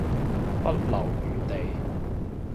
不留餘地